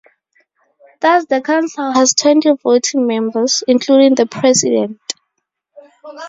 Thus the Council has twenty voting members, including the President.